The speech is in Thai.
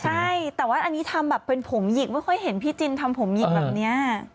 ใช่แต่ว่าอันนี้ทำแบบเป็นผมหยิกไม่ค่อยเห็นพี่จินทำผมหยิกแบบนี้